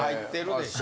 でしょ